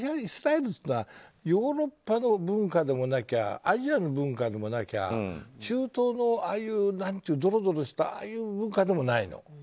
ヨーロッパの文化でもなきゃアジアの文化でもなきゃ中東の、ドロドロしたああいう文化でもないの。